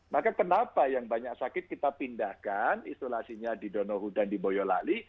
maka kenapa yang banyak sakit kita pindahkan isolasinya di donohudan di boyolali